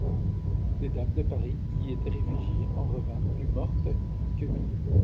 Des dames de Paris, qui y étaient réfugiées, en revinrent plus mortes que vives.